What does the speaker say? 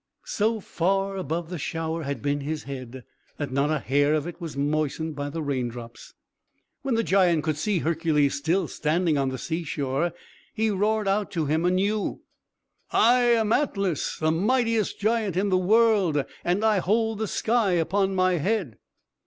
So far above the shower had been his head, that not a hair of it was moistened by the rain drops! When the giant could see Hercules still standing on the seashore, he roared out to him anew. "I am Atlas, the mightiest giant in the world! And I hold the sky upon my head!"